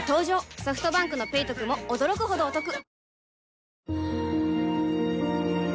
ソフトバンクの「ペイトク」も驚くほどおトク